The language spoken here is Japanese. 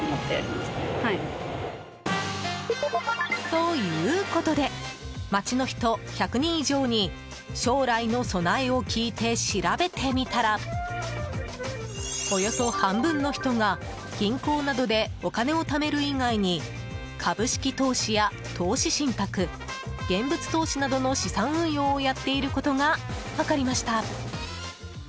ということで街の人１００人以上に将来の備えを聞いて調べてみたらおよそ半分の人が銀行などでお金をためる以外に株式投資や投資信託現物投資などの資産運用をやっていることが分かりました。